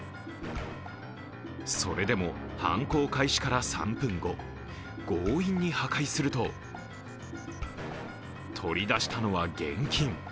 それでも犯行開始から３分後、強引に破壊すると取り出したのは現金。